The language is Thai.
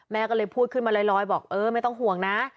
แม่ก็เลยพูดขึ้นมาลอยบอกเออไม่ต้องห่วงนะ